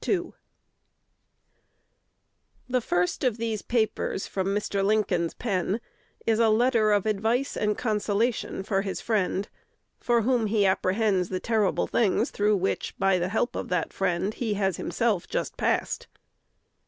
Speed. The first of the papers from Mr. Lincoln's pen is a letter of advice and consolation to his friend, for whom he apprehends the terrible things through which, by the help of that friend, he has himself just passed.